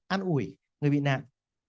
an ủi người bị nạn